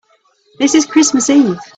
This is Christmas Eve.